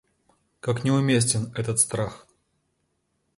Как неуместен этот страх.